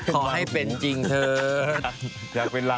ขอให้เป็นจริงเถอะ